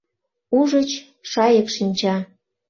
Ужыч, шайык шинча!